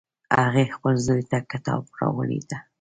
هغې خپل زوی ته کتاب راوړی ده